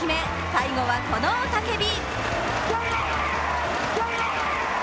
最後はこの雄たけび。